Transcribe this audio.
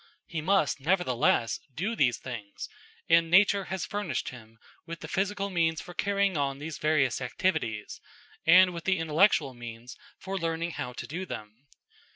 He must, nevertheless, do these things, and nature has furnished him with the physical means for carrying on these various activities, and with the intellectual means for learning how to do them.